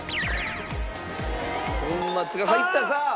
粉末が入ったさあ！